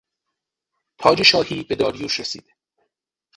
تاج شاهی به داریوش رسید.